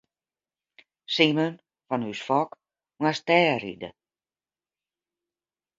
Simen fan ús Fok moast dêr ride.